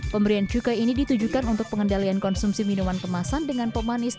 pemberian cukai ini ditujukan untuk pengendalian konsumsi minuman kemasan dengan pemanis